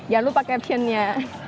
jangan lupa captionnya